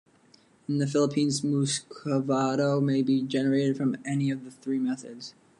In the Philippines muscovado may be generated from any of the three methods.